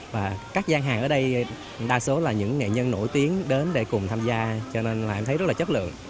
và các gian hàng ở đây đa số là những nghệ nhân nổi tiếng đến để cùng tham gia cho nên là em thấy rất là chất lượng